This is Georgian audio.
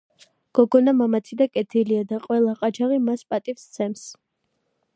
გოგონა მამაცი და კეთილია და ყველა ყაჩაღი მას პატივს სცემს.